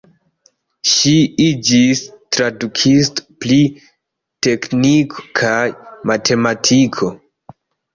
Ŝi iĝis tradukisto pri tekniko kaj matematiko.